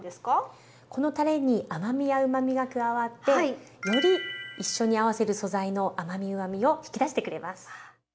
このたれに甘みやうまみが加わってより一緒に合わせる素材の甘みうまみを引き出してくれます。